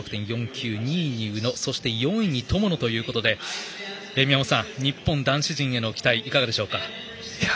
２位に宇野がいてそして４位に友野ということで宮本さん、日本男子陣への期待いかがでしょうか？